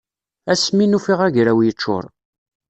Ass mi n-ufiɣ agraw yeččur.